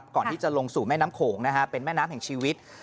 ก่อนที่จะลงสู่แม่น้ำโขงเป็นแม่น้ำแห่งชีวิต